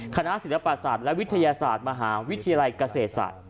คณะศิลปศาสตร์และวิทยาศาสตร์มหาวิทยาลัยเกษตรศาสตร์